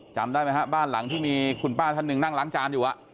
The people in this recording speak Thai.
จำได้ไหมฮะบ้านหลังที่มีคุณป้าท่านหนึ่งนั่งล้างจานอยู่